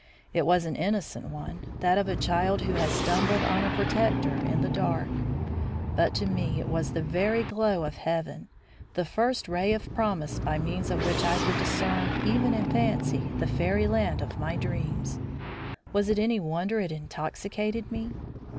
It was an innocent one, that of a child who has stumbled on a protector in the dark; but to me it was the very glow of heaven, the first ray of promise by means of which I could discern, even in fancy, the fairy land of my dreams. Was it any wonder it intoxicated me?